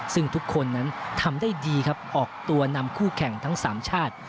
ซึ่งทุกคนนั้นทำได้ดีครับออกตัวนำคู่แข่งทั้ง๓ชาติ